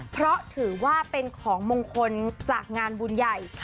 เพราะถือว่าเป็นของมงคลจากงานบุญใหญ่